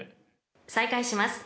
［再開します］